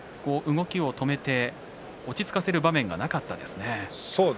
動きを止めて落ち着かせることはなかったですね。